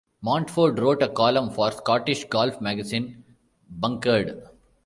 Montford wrote a column for Scottish golf magazine, "Bunkered".